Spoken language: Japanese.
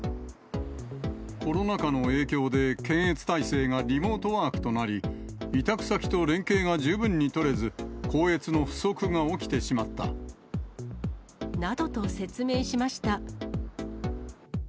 コロナ禍の影響で、検閲体制がリモートワークとなり、委託先と連携が十分に取れず、などと説明しました。